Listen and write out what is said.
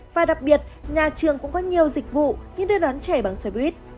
và đặc biệt nhà trường cũng có nhiều dịch vụ như đưa đón trẻ bằng xe buýt